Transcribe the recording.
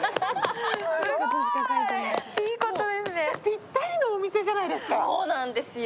ぴったりのお店じゃないですか。